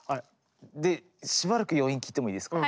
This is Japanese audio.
でしばらく余韻聴いてもいいですか。